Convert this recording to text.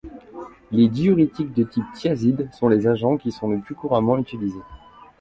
Les diurétiques de type thiazide sont les agents qui sont le plus couramment utilisés.